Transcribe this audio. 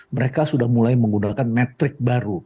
mereka sudah mulai menggunakan metrik baru